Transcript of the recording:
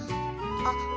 あっ。